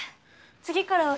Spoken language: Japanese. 次からは。